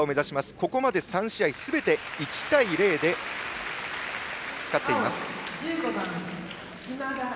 ここまで３試合、すべて１対０で勝っています。